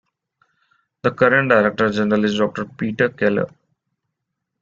The current director general is Doctor Peter Keller.